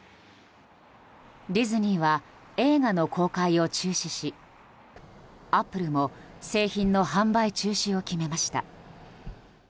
ディズニーは映画の公開を中止しアップルも製品の販売中止を決めました。